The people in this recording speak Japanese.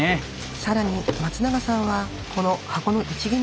更に松永さんはこの箱の「位置決め」